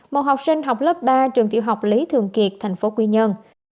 một học sinh học lớp ba trường tiểu học lý thường kiệt thành phố quy nhơn